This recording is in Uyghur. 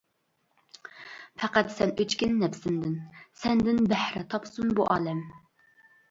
پەقەت سەن ئۆچكىن نەپىسىمدىن، سەندىن بەھرە تاپسۇن بۇ ئالەم.